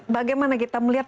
bagaimana kita melihat